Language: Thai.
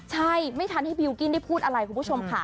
ใช่ไม่ทันให้บิลกิ้นได้พูดอะไรคุณผู้ชมค่ะ